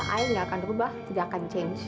ayah nggak akan berubah tidak akan berubah